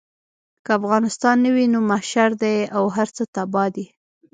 که افغانستان نه وي نو محشر دی او هر څه تباه دي.